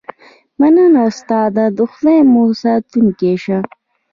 مننه استاده خدای مو ساتونکی شه